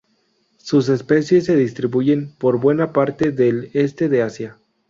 Sus especies se distribuyen por buena parte del este de Asia.